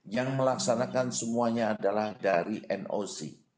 yang melaksanakan semuanya adalah dari noc